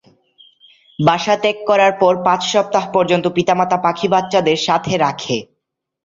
বাসা ত্যাগ করার পর পাঁচ সপ্তাহ পর্যন্ত পিতা মাতা পাখি বাচ্চাদের সাথে রাখে।